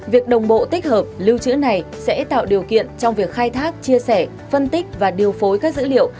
việc đồng bộ tích hợp lưu trữ này sẽ tạo điều kiện trong việc khai thác chia sẻ phân tích và điều phối các dữ liệu